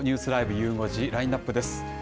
ゆう５時、ラインナップです。